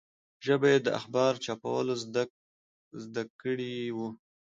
ژبه یې د اخبار چاپول زده کړي وو.